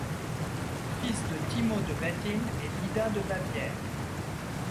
Fils de Thimo de Wettin et d'Ida de Bavière.